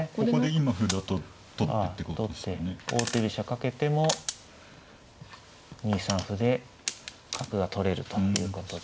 王手飛車かけても２三歩で角が取れるということで。